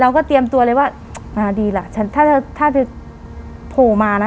เราก็เตรียมตัวเลยว่าอ่าดีล่ะฉันถ้าถ้าถือโผล่อมาน่ะ